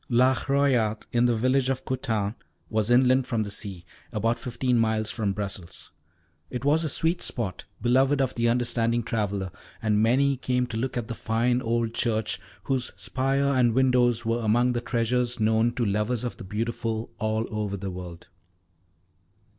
La Royat, in the village of Coutane, was inland from the sea, about fifteen miles from Brussels. It was a sweet spot, beloved of the understanding traveller, and many came to look at the fine old church, whose spire and windows were among the treasures known to lovers of the beautiful all over the world.